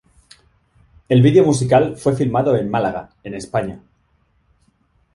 El vídeo musical fue filmado en Málaga, en España.